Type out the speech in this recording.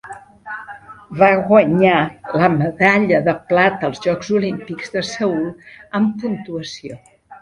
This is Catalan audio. Va guanyar la medalla de plata als Jocs Olímpics de Seül en puntuació.